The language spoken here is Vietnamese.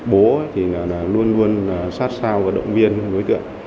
bố thì là luôn luôn sát sao và động viên với tựa